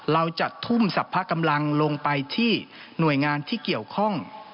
เราจัดทุ่มสรรพกำลังลงไปที่หน่วยงานที่เกี่ยวข้อง